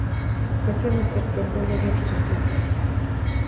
Хацелася б, каб было лепш, чым цяпер.